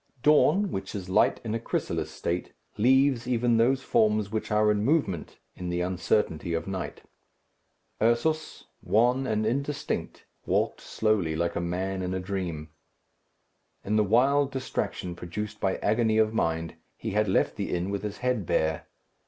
Dawn, which is light in a chrysalis state, leaves even those forms which are in movement in the uncertainty of night. Ursus, wan and indistinct, walked slowly, like a man in a dream. In the wild distraction produced by agony of mind, he had left the inn with his head bare.